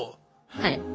はい。